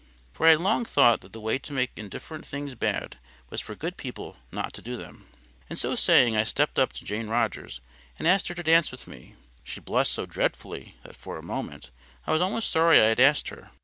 For I had long thought that the way to make indifferent things bad, was for good people not to do them. And so saying, I stepped up to Jane Rogers, and asked her to dance with me. She blushed so dreadfully that, for a moment, I was almost sorry I had asked her.